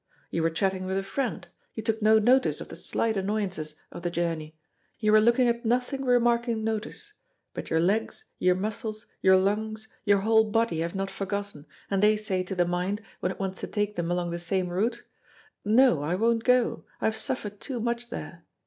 You were chatting with a friend; you took no notice of the slight annoyances of the journey; you were looking at nothing, remarking notice; but your legs, your muscles, your lungs, your whole body have not forgotten, and they say to the mind, when it wants to take them along the same route: 'No, I won't go; I have suffered too much there.'